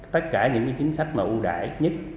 tất cả những chính sách ưu đại nhất